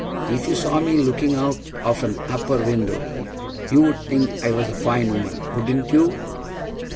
If you saw me looking out of an upper window, you'd think I was a fine woman, wouldn't you?